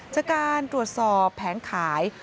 จากการตรวจสอบแผงขาย